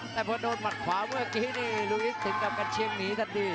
แต่พอโดนหมัดขวาเมื่อกี้นี่ลุงอิสถึงกับกระเชียงหนีทันที